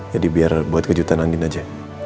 jadi biar buat kejutan andin aja